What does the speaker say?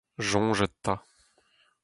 Soñjit 'ta !